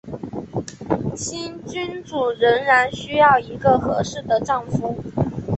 新君主仍然需要一个合适的丈夫。